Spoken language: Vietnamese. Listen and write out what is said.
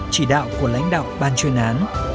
chỉ đạo của lãnh đạo ban chuyên án